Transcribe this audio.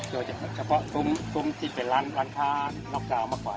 โดยเฉพาะซุ้มที่เป็นร้านค้าน็อกกาวมากกว่า